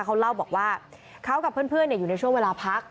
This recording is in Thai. เขาเล่าบอกว่าเขากับเพื่อนอยู่ในช่วงเวลาพัก